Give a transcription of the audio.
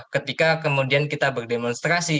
ketika kemudian kita berdemonstrasi